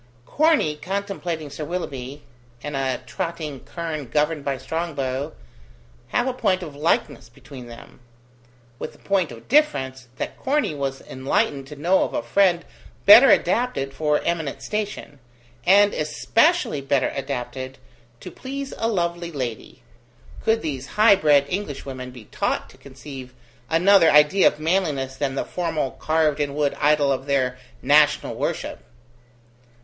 Corney contemplating Sir Willoughby, and a trotting kern governed by Strongbow, have a point of likeness between them; with the point of difference, that Corney was enlightened to know of a friend better adapted for eminent station, and especially better adapted to please a lovely lady could these high bred Englishwomen but be taught to conceive another idea of manliness than the formal carved in wood idol of their national worship!